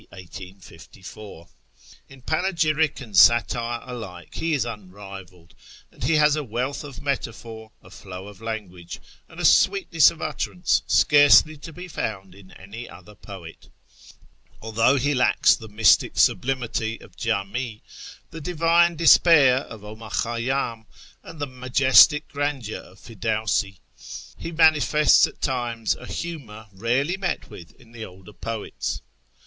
1854. In panegyric and satire alike he is unrivalled ; and he has a wealth of metaphor, a flow of language, and a sweetness of utterance scarcely to be found in any other poet. Although he lacks the mystic sublimity of Jami, the divine despair of 'Omar Khayyam, and the majestic grandeur of Pirdawsi, he manifests at times a humour rarely met with in the older poets.